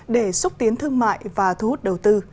để xúc tiến thương mại và thu hút đầu tư